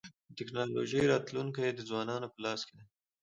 د ټکنالوژۍ راتلونکی د ځوانانو په لاس کي دی.